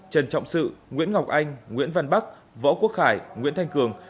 trần trọng sự nguyễn ngọc anh nguyễn văn bắc võ quốc khải nguyễn thanh cường